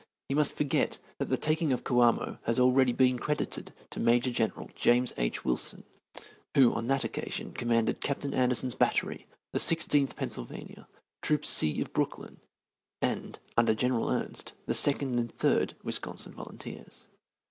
He must forget that the taking of Coamo has always been credited to Major General James H. Wilson, who on that occasion commanded Captain Anderson's Battery, the Sixteenth Pennsylvania, Troop C of Brooklyn, and under General Ernst, the Second and Third Wisconsin Volunteers.